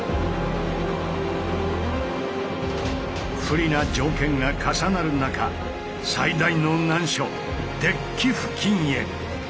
不利な条件が重なる中最大の難所デッキ付近へ。